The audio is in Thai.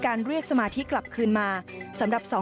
การเรียกสมาธิกลับคืนมา